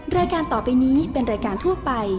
รายการต่อไปนี้เป็นรายการทั่วไป